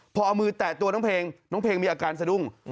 พอเอามือแตะตัวน้องเพลงน้องเพลงมีอาการสะดุ้ง